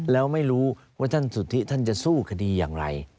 แล้วไม่รู้ว่าท่านสุธิท่านจะสู้คดีอย่างไร